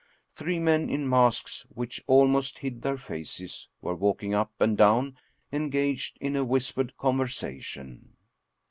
Three men, in masks which almost hid their faces, were walking up and down engaged in a whispered conversation.